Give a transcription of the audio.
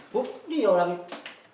bu dia orangnya